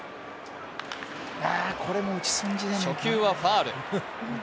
初球はファウル。